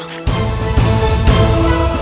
terima kasih yang mulia